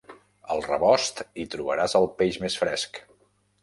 Al rebost hi trobaràs el peix més fresc.